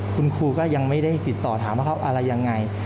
คุณครูก็ยังไม่ได้ติดต่อถามว่าเขาอะไรยังไง